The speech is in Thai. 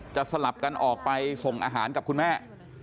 สลับกันออกไปส่งอาหารกับคุณแม่